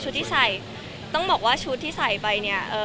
ที่ใส่ต้องบอกว่าชุดที่ใส่ไปเนี่ย